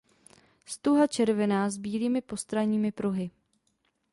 Stuha červená s bílými postranními pruhy.